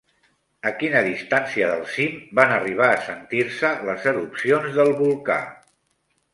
A quina distància del cim van arribar a sentir-se les erupcions del volcà?